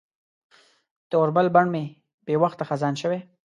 د اوربل بڼ مې بې وخته خزان شوی